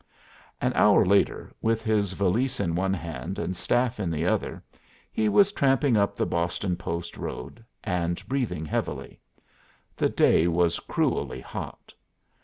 An hour later, with his valise in one hand and staff in the other, he was tramping up the Boston Post Road and breathing heavily. The day was cruelly hot.